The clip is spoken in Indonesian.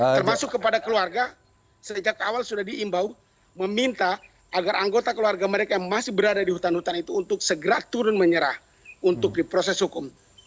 termasuk kepada keluarga sejak awal sudah diimbau meminta agar anggota keluarga mereka yang masih berada di hutan hutan itu untuk segera turun menyerah untuk diproses hukum